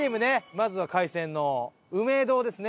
まずは海鮮の「うめぇ堂」ですね。